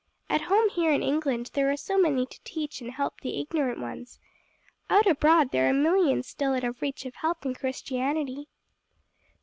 At home here in England there are so many to teach and help the ignorant ones. Out abroad there are millions still out of reach of help and Christianity."